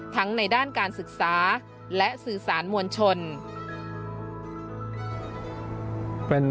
ในด้านการศึกษาและสื่อสารมวลชน